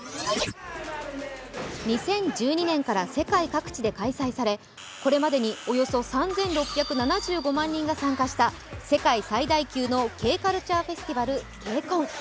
２０１２年から世界各地で開催されこれまでにおよそ３６７５万人が参加した世界最大級のＫカルチャーフェスティバルＫＣＯＮ。